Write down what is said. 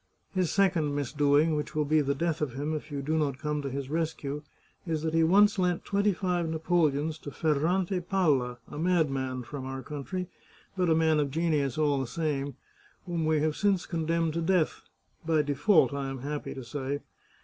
His sec ond misdoing, which will be the death of him if you do not come to his rescue, is that he once lent twenty five napo leons to Ferrante Palla, a madman, from our country, but 112 The Chartreuse of Parma a man of genius all the same, whom we have since con demned to death — by default, I am happy to say.